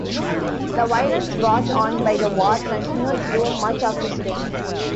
The violence brought on by the war continued through much of his reign.